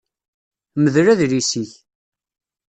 Mdel adlis-ik.